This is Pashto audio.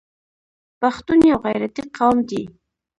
پښتون یو غیرتي قوم دی.